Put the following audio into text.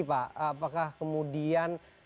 pak apakah kemudian